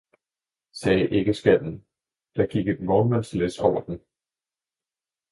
sagde æggeskallen, der gik et vognmandslæs over den.